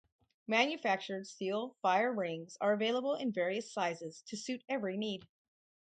Manufactured steel fire rings are available in various sizes to suit every need.